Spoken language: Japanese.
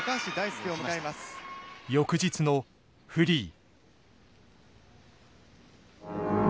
翌日のフリー。